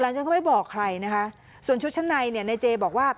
ฉันก็ไม่บอกใครนะคะส่วนชุดชั้นในเนี่ยในเจบอกว่า